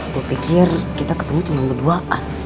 gue pikir kita ketemu cuma berduaan